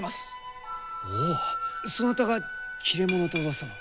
おおっそなたが切れ者とうわさの。